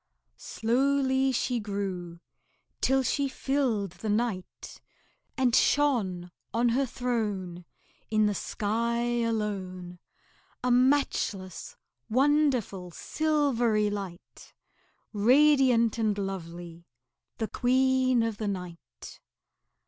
Slowly she grew till she filled the night, And shone On her throne In the sky alone, A matchless, wonderful, silvery light, Radiant and lovely, the Queen of the night.